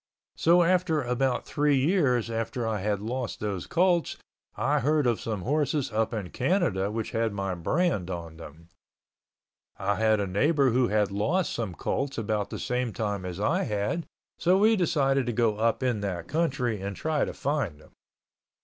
So, after about three years after I had lost those colts I heard of some horses up in Canada which had my brand on them. I had a neighbor who had lost some colts about the same time as I had, so we decided to go up in that country and try to find them.